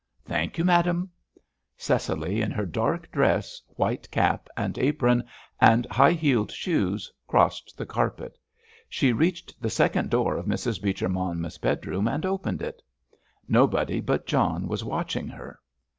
"Thank you, madame." Cecily, in her black dress, white cap and apron, and high heeled shoes, crossed the carpet. She reached the second door of Mrs. Beecher Monmouth's bedroom and opened it. Nobody but John was watching her.